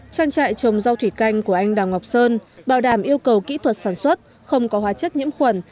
trang trại trồng rau thủy canh của anh đào ngọc sơn bảo đảm yêu cầu kỹ thuật sản xuất không có hóa chất nhiễm khuẩn